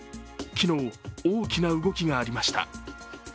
昨日、大きな動きがありました。